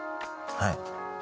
はい。